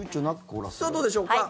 さあ、どうでしょうか。